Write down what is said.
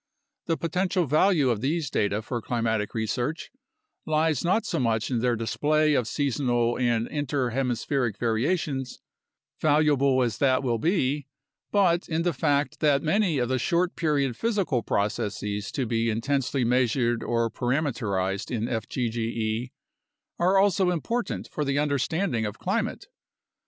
The potential value' of these data for climatic research lies not so much in their display of seasonal and interhemispheric variations, valuable as that will be, but in the fact that many of the short period physical processes to be intensely measured or parameterized in fgge are also important for the understanding of climate.